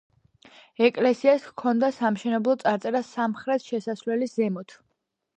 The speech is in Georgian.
ეკლესიას ჰქონდა სამშენებლო წარწერა სამხრეთ შესასვლელის ზემოთ.